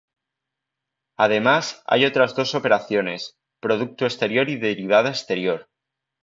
Además, hay otras dos operaciones: producto exterior y derivada exterior.